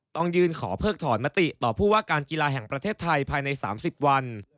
ต้องยื่นขอเพิกถอนมติต่อผู้ว่าการกีฬาแห่งประเทศไทยภายใน๓๐วัน